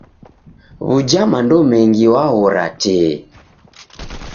W'uja mando mengi waghora tee.